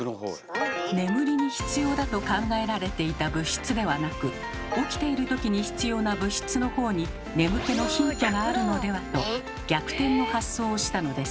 眠りに必要だと考えられていた物質ではなく起きているときに必要な物質の方に眠気のヒントがあるのではと逆転の発想をしたのです。